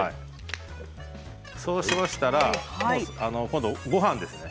そうしましたら今度ごはんですね。